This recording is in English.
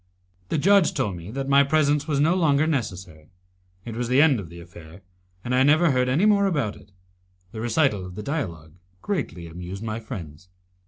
The judge told me that my presence, was no longer necessary. It was the end of the affair, and I never heard any more about it. The recital of the dialogue greatly amused my friends.